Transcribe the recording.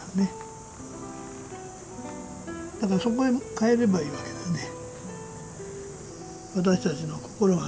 だからそこへ帰ればいいわけだね。